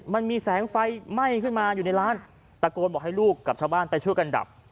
มันมีแสงไฟไหม้ขึ้นมาอยู่ในร้านตะโกนบอกให้ลูกกับชาวบ้านไปช่วยกันดับ